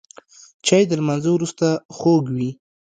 چای د لمانځه وروسته خوږ وي